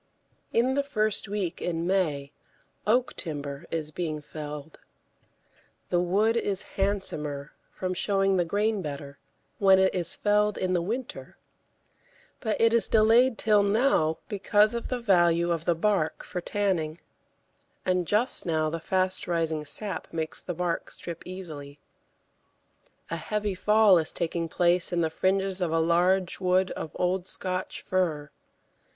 In the first week in May oak timber is being felled. The wood is handsomer, from showing the grain better, when it is felled in the winter, but it is delayed till now because of the value of the bark for tanning, and just now the fast rising sap makes the bark strip easily. A heavy fall is taking place in the fringes of a large wood of old Scotch fir.